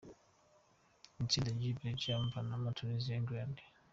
Itsinda G: Belgium, Panama, Tunisia, England.